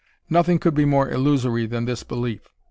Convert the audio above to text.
Nothing could be more illusory than this belief.